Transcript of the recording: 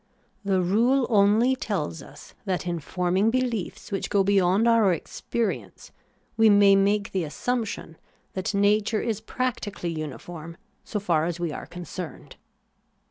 The rule only tells us that in forming behefs which go beyond our experience, we may make the assumption that nature is practically uniform so. far as we are con cerned.